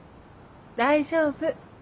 大丈夫。